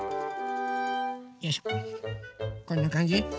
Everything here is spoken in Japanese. よいしょこんなかんじ？